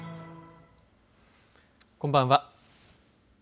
こんばんは。